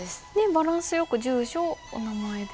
バランスよく住所お名前で。